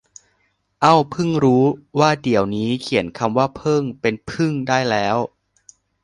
เอ้าเพิ่งรู้ว่าเดี๋ยวนี้เขียนคำว่าเพิ่งเป็นพึ่งได้แล้ว